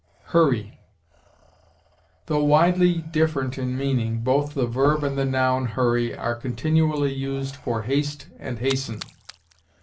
HURRY. Though widely different in meaning, both the verb and the noun hurry are continually used for haste and hasten.